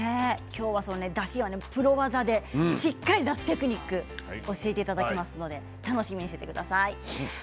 だしはこの技でしっかり出すテクニックを教えていただけますので楽しみにしていてください。